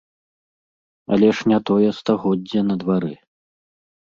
Але ж не тое стагоддзе на двары.